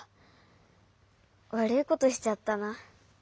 わるいことしちゃったな。